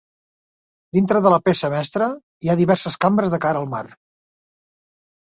Dintre de la peça mestra hi ha diverses cambres de cara al mar.